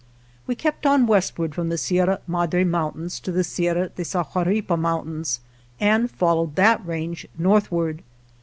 We kept on westward from the Sierra Madre Mountains to the Sierra de Sahuripa Mountains, and fol lowed that range northward.